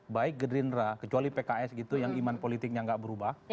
baik gerindra kecuali pks gitu yang iman politiknya nggak berubah